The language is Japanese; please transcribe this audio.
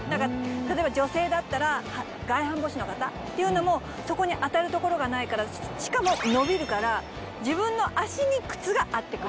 例えば女性だったら外反母趾の方っていうのもそこに当たる所がないからしかも伸びるから自分の足に靴が合ってくれる。